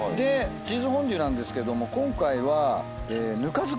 チーズフォンデュなんですけども今回はぬか漬け。